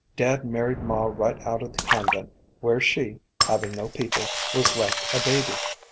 Dad married ma right out of the convent, where she, having no people, was left a baby.